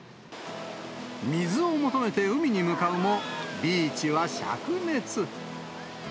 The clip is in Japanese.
水を求めて海に向かうも、ビーチはしゃく熱。